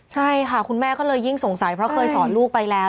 ใช่ค่ะคุณแม่ก็เลยยิ่งสงสัยเพราะเคยสอนลูกไปแล้ว